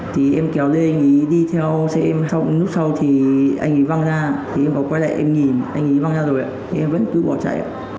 thì em kéo lên anh ấy đi theo xe em xong lúc sau thì anh ấy văng ra thì em bảo quay lại em nhìn anh ấy văng ra rồi em vẫn cứ bỏ chạy